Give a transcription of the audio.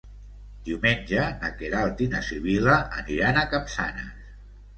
Diumenge na Queralt i na Sibil·la aniran a Capçanes.